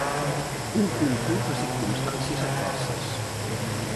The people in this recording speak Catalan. Un concurs de circumstàncies adverses.